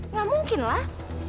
nggak mungkin lah